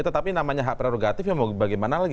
tetapi namanya hak prerogatif bagaimana lagi